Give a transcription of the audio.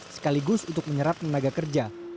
sekaligus untuk menyerap tenaga kerja